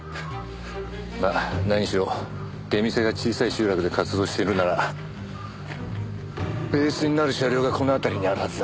まあ何しろ出店が小さい集落で活動してるならベースになる車両がこの辺りにあるはずだ。